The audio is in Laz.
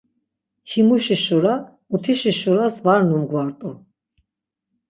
Himuşi şura mutişi şuras var numgvart̆u.